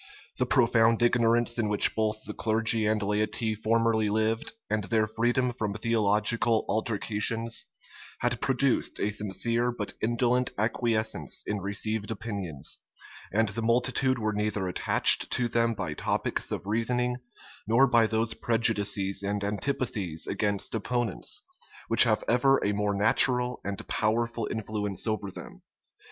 The profound ignorance in which both the clergy and laity formerly lived, and their freedom from theological altercations, had produced a sincere but indolent acquiescence in received opinions; and the multitude were neither attached to them by topics of reasoning, nor by those prejudices and antipathies against opponents, which have ever a more natural and powerful influence over them.